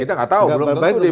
kita nggak tahu belum